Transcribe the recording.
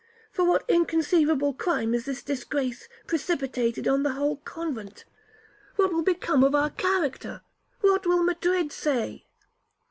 —for what inconceivable crime is this disgrace precipitated on the whole convent? What will become of our character? What will all Madrid say?'